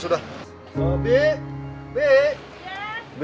oh bi bi